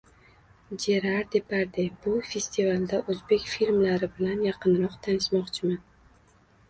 Jerar Deparde: "Bu festivalda o‘zbek filmlari bilan yaqinroq tanishmoqchiman"